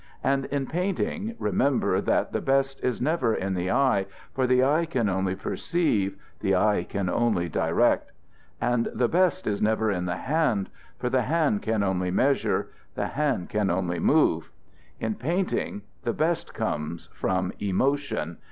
And in painting remember that the best is never in the eye, for the eye can only perceive, the eye can only direct; and the best is never in the hand, for the hand can only measure, the hand can only move. In painting the best comes from emotion.